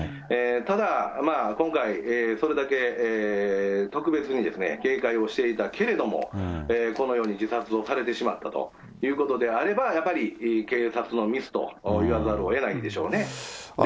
ただ今回、それだけ特別に警戒をしていたけれども、このように自殺をされてしまったということであれば、やっぱり警察のミスと言わざるをえないんでしょうね。